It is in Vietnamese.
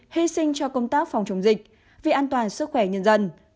hy sinh cho công tác phòng chống dịch vì an toàn sức khỏe nhân dân